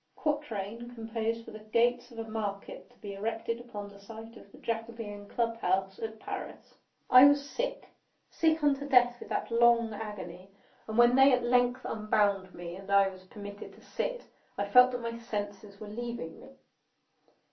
[Quatrain composed for the gates of a market to be erected upon the site of the Jacobin Club House at Paris.] I was sick—sick unto death with that long agony; and when they at length unbound me, and I was permitted to sit, I felt that my senses were leaving me.